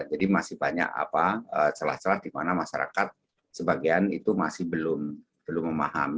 jadi masih banyak apa celah celah di mana masyarakat sebagian itu masih belum memahami